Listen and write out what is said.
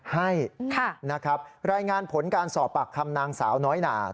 ให้นะครับรายงานผลการสอบปากคำนางสาวน้อยหนา